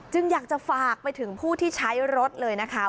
อยากจะฝากไปถึงผู้ที่ใช้รถเลยนะคะ